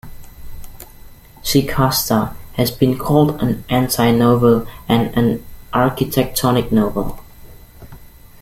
"Shikasta" has been called an "anti-novel", and an "architectonic novel".